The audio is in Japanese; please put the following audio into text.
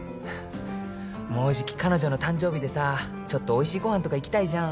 もうじき彼女の誕生日でさちょっとおいしいご飯とか行きたいじゃん。